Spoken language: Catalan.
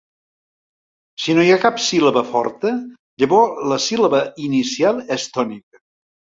Si no hi ha cap síl·laba forta, llavors la síl·laba inicial és tònica.